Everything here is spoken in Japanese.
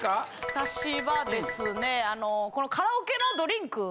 私はですねあのこの「カラオケのドリンク」。